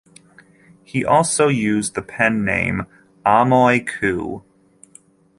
He also used the pen name "Amoy Ku".